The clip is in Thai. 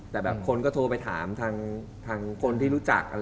แต่แบบคนก็โทรไปถามทางคนที่รู้จัก